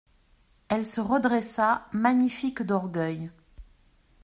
Elle se redressa magnifique d'orgueil.